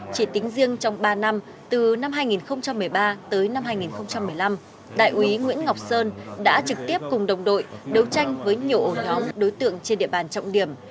chỉ tính riêng trong ba năm từ năm hai nghìn một mươi ba tới năm hai nghìn một mươi năm đại úy nguyễn ngọc sơn đã trực tiếp cùng đồng đội đấu tranh với nhiều ổ nhóm đối tượng trên địa bàn trọng điểm